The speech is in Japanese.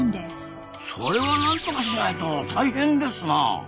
それはなんとかしないと大変ですな。